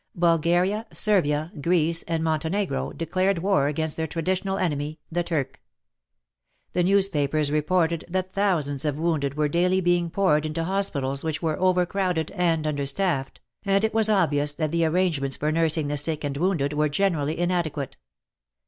Bulgaria, Servia, Greece, and Monte negro declared war against their traditional enemy, the Turk. The newspapers reported 15 1 6 WAR AND WOMEN that thousands of wounded were dally being poured into hospitals which were overcrowded and understaffed, and it was obvious that the arrangements for nursing the sick and wounded were generally inadequate.